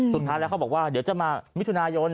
สุดท้ายแล้วเขาบอกว่าเดี๋ยวจะมามิถุนายน